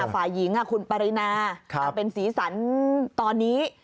ฝ่ายหญิงคุณปรินาเป็นสีสันตอนนี้